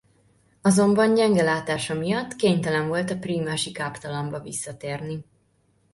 Azonban gyenge látása miatt kénytelen volt a prímási káptalanba visszatérni.